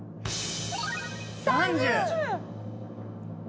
３０！